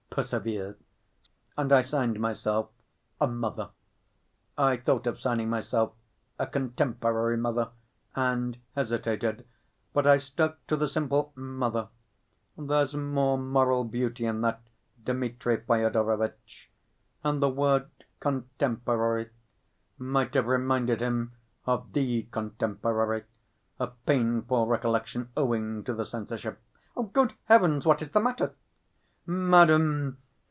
Persevere.' And I signed myself, 'A Mother.' I thought of signing myself 'A contemporary Mother,' and hesitated, but I stuck to the simple 'Mother'; there's more moral beauty in that, Dmitri Fyodorovitch. And the word 'contemporary' might have reminded him of 'The Contemporary'—a painful recollection owing to the censorship.... Good Heavens, what is the matter!" "Madam!"